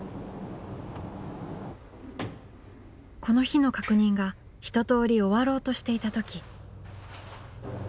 この日の確認が一とおり終わろうとしていた時。